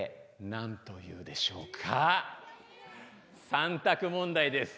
３択問題です。